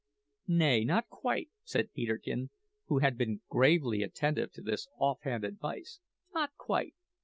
"Nay, not quite," said Peterkin, who had been gravely attentive to this off hand advice "not quite.